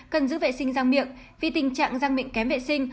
cần giữ vệ sinh răng miệng vì tình trạng răng miệng kém vệ sinh